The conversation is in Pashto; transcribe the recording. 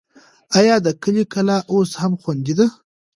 آیا د کلي کلا اوس هم خوندي ده؟